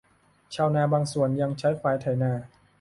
ชาวนาบางส่วนยังใช้ควายไถนา